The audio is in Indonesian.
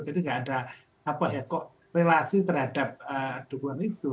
jadi nggak ada apa apa ya kok relatif terhadap dukungan itu